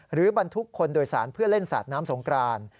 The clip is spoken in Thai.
หรือบรรทุกคนโดยสารเพื่อเล่นสาดน้ำสงกราน